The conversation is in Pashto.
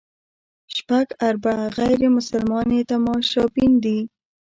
شپږ اربه غیر مسلمان یې تماشبین دي.